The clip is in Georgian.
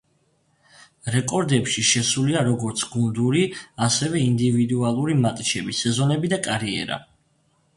რეკორდებში შესულია როგორც გუნდური, ასევე ინდივიდუალური მატჩები, სეზონები და კარიერა.